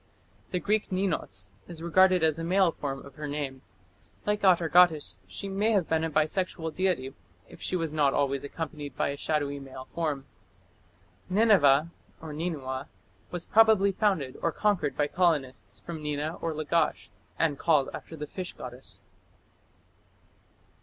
The Greek Ninus is regarded as a male form of her name; like Atargatis, she may have become a bisexual deity, if she was not always accompanied by a shadowy male form. Nineveh (Ninua) was probably founded or conquered by colonists from Nina or Lagash, and called after the fish goddess.